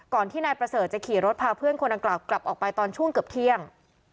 ที่นายประเสริฐจะขี่รถพาเพื่อนคนดังกล่าวกลับออกไปตอนช่วงเกือบเที่ยง